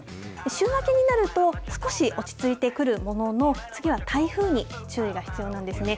週明けになると、少し落ち着いてくるものの、次は台風に注意が必要なんですね。